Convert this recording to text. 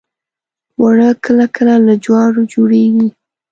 اوړه کله کله له جوارو جوړیږي